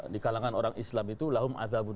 di kalangan orang islam itu